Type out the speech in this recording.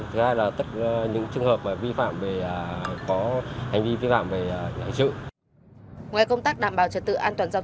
thứ hai là tất cả những trường hợp vi phạm về có hành vi vi phạm về hành trực